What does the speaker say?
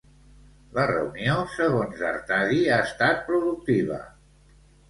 La reunió, segons Artadi, ha estat productiva.